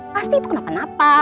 pasti itu kenapa napa